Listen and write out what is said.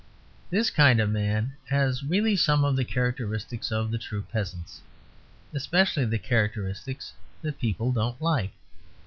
This kind of man has really some of the characteristics of the true Peasant especially the characteristics that people don't like.